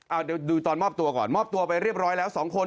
เอาเดี๋ยวดูตอนมอบตัวก่อนมอบตัวไปเรียบร้อยแล้ว๒คน